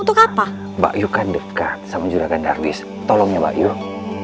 untuk apa mbak yukand dekat sama juragan darwish tolongnya mbak yuk